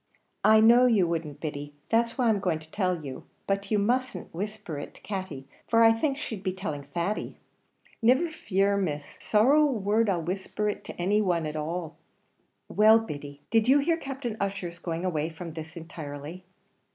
"I know you wouldn't, Biddy; that's why I'm going to tell you; but you mustn't whisper it to Katty, for I think she'd be telling Thady." "Niver fear, Miss; sorrow a word I'll whisper it to any one, at all at all." "Well, Biddy, did you hear Captain Ussher's going away from this intirely?"